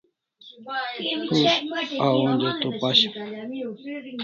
Prus't a onja to pashim